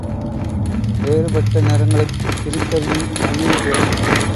வேறுபட்ட நிறங்களைப் பிரித்தறியும் கண்ணின் திறன்.